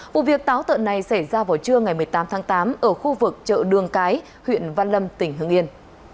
vụ việc táo tợn này xảy ra vào trưa ngày một mươi tám tháng tám ở khu vực chợ đường cái huyện văn lâm tỉnh hưng yên